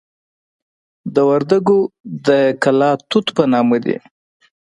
د وردکو د کلاخ توت په نامه دي.